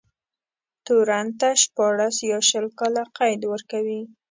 تورن ته شپاړس يا شل کاله قید ورکوي.